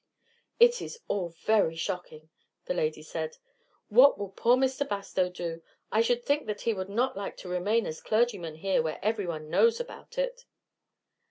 "It is all very shocking," the lady said. "What will poor Mr. Bastow do? I should think that he would not like to remain as clergyman here, where everyone knows about it."